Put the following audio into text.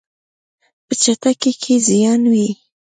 په چټکۍ کې زیان وي.